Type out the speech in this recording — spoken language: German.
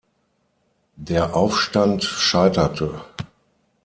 Der Aufstand scheiterte.